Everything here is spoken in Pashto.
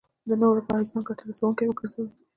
د نورو لپاره ځان ګټه رسوونکی وګرځوي.